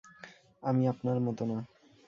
আমি আপনার মতো না।